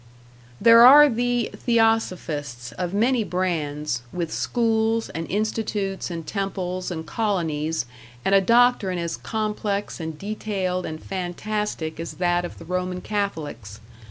There are the Theosophists of many brands, with schools and institutes and temples and colonies, and a doctrine as complex and detailed and fantastic as that of the Roman Catholics.